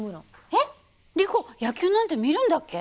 えっリコ野球なんて見るんだっけ？